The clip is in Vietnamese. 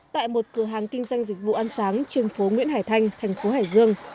tại một cửa hàng kinh doanh dịch vụ ăn sáng trên phố nguyễn hải thanh thành phố hải dương